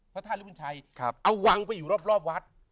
พระทาสลิภูนชัยเอาวางไปอยู่รอบวัด